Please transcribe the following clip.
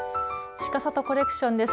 ちかさとコレクションです。